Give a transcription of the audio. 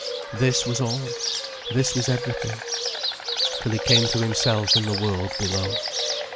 This was all, this was everything. Till he came to himself in the world below.